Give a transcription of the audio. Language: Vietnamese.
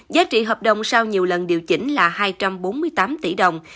giá trị hợp đồng sau nhiều lần điều chỉnh là hai trăm bốn mươi tám tỷ đồng